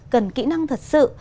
cần kỹ năng thật sự